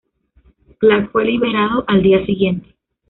Clark fue liberado al día siguiente.